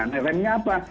nah remnya apa